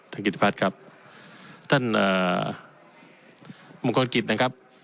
ท่านกิจภัทรครับท่านเอ่อมงคลกิจนะครับ